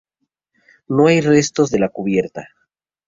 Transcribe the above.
No hay restos de la cubierta.